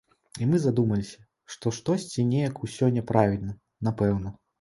І мы задумаліся, што штосьці неяк усё няправільна, напэўна.